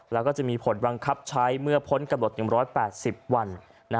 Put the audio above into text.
แล้วก็จะมีผลบังคับใช้เมื่อพ้นกำหนด๑๘๐วัน